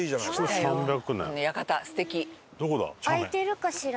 開いてるかしら？